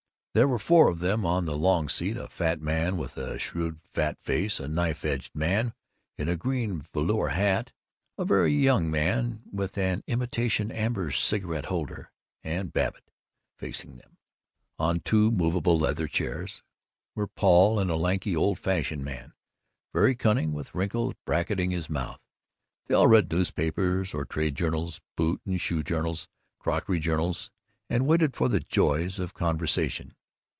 There were four of them on the long seat; a fat man with a shrewd fat face, a knife edged man in a green velour hat, a very young young man with an imitation amber cigarette holder, and Babbitt. Facing them, on two movable leather chairs, were Paul and a lanky, old fashioned man, very cunning, with wrinkles bracketing his mouth. They all read newspapers or trade journals, boot and shoe journals, crockery journals, and waited for the joys of conversation.